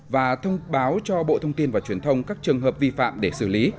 và thông báo cho bộ thông tin và truyền thông các trường hợp vi phạm để xử lý